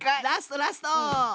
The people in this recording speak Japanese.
ラストラスト。